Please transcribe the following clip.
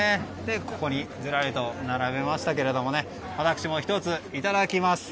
ここにずらりと並べましたが私も１ついただきます。